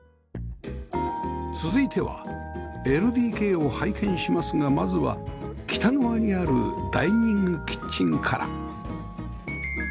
続いては ＬＤＫ を拝見しますがまずは北側にあるダイニングキッチンから